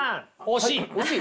惜しい？